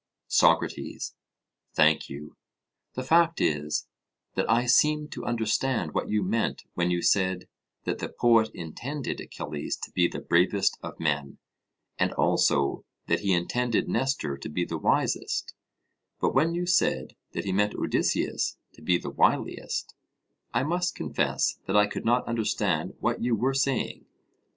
SOCRATES: Thank you: the fact is, that I seemed to understand what you meant when you said that the poet intended Achilles to be the bravest of men, and also that he intended Nestor to be the wisest; but when you said that he meant Odysseus to be the wiliest, I must confess that I could not understand what you were saying.